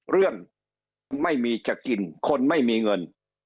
เรื่องไม่มีจะกินคนไม่มีเงิน